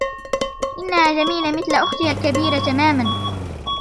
إنها جميلة مثل أختها الكبيرة تماما.